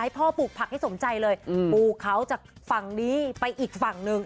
พ่อปลูกผักให้สมใจเลยปลูกเขาจากฝั่งนี้ไปอีกฝั่งหนึ่ง